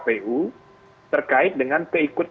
pemilu yang terkasih adalah penggunaan kekuatan